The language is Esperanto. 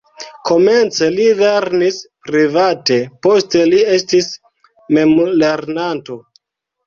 Komence li lernis private, poste li estis memlernanto.